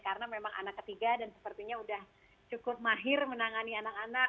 karena memang anak ketiga dan sepertinya sudah cukup mahir menangani anak anak